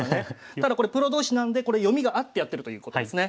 ただこれプロ同士なんでこれ読みがあってやってるということですね。